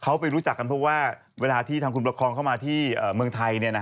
เขาไปรู้จักกันเพราะว่าเวลาที่ทางคุณประคองเข้ามาที่เมืองไทย